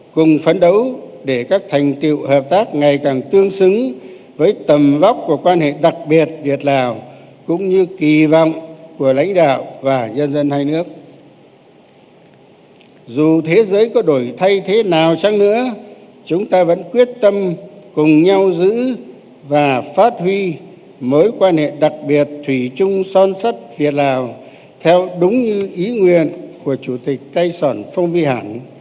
chúng tôi luôn luôn mong muốn hợp tác hỗ trợ đất nước lào với tinh thần giúp bạn là tự giúp mình xem đây là nhiệm vụ chiến lược mong muốn cùng đảng nhà nước chúng ta